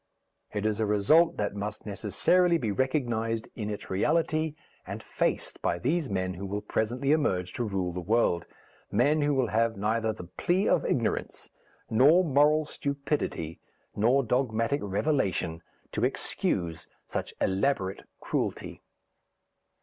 It is a result that must necessarily be recognized in its reality, and faced by these men who will presently emerge to rule the world; men who will have neither the plea of ignorance, nor moral stupidity, nor dogmatic revelation to excuse such elaborate cruelty.